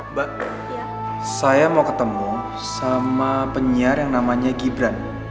mbak saya mau ketemu sama penyiar yang namanya gibran